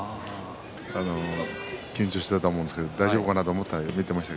緊張していたので大丈夫かなと思って見ていました。